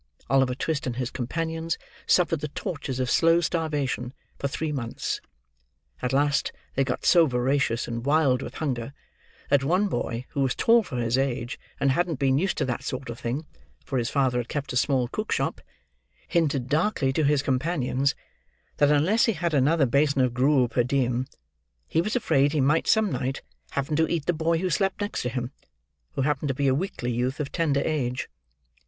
Oliver Twist and his companions suffered the tortures of slow starvation for three months: at last they got so voracious and wild with hunger, that one boy, who was tall for his age, and hadn't been used to that sort of thing (for his father had kept a small cook shop), hinted darkly to his companions, that unless he had another basin of gruel per diem, he was afraid he might some night happen to eat the boy who slept next him, who happened to be a weakly youth of tender age.